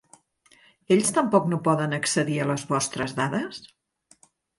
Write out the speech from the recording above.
Ells tampoc no poden accedir a les vostres dades?